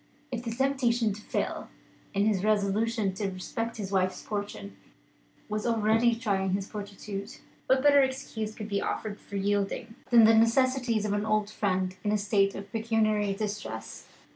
If the temptation to fail in his resolution to respect his wife's fortune was already trying his fortitude, what better excuse could be offered for yielding than the necessities of an old friend in a state of pecuniary distress?